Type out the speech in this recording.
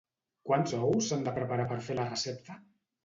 Quants ous s'han de preparar per fer la recepta?